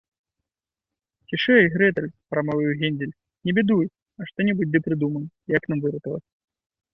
- Цішэй, Грэтэль, - прамовіў Гензель, - не бядуй, я што-небудзь ды прыдумаю, як нам выратавацца